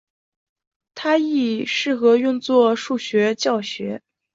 它亦适合用作数学教学。